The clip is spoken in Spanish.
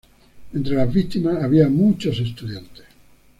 Entre las víctimas había muchos estudiantes".